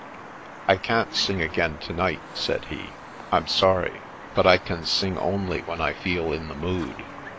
" I can't sing again to night," said he. " I'm sorry, but I can sing only when I feel in the mood."